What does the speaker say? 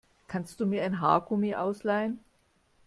Kannst du mir ein Haargummi ausleihen?